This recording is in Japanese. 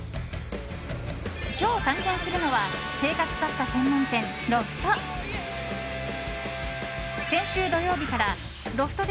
今日探検するのは生活雑貨専門店ロフト。